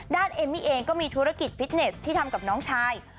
เอมมี่เองก็มีธุรกิจฟิตเนสที่ทำกับน้องชาย